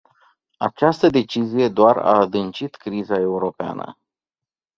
Această decizie doar a adâncit criza europeană.